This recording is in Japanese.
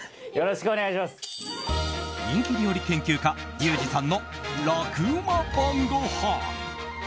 人気料理研究家リュウジさんの楽ウマ晩ごはん。